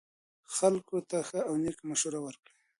خلکو ته ښه او نیکه مشوره ورکړئ.